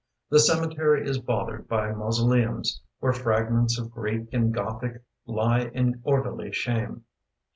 The cemetery is bothered by mausoleums Where fragments of Greek and Gothic Lie in orderly shame.